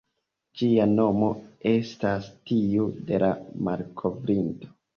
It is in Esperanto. Ĝia nomo estas tiu de la malkovrinto.